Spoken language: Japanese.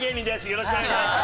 よろしくお願いします。